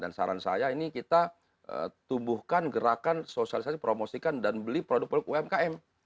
dan saran saya ini kita tumbuhkan gerakan sosialisasi promosikan dan beli produk produk umkm